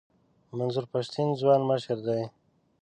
منظور پښتین ځوان مشر دی.